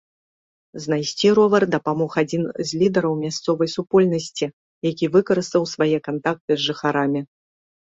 Знайсці ровар дапамог адзін з лідэраў мясцовай супольнасці, які выкарыстаў свае кантакты з жыхарамі.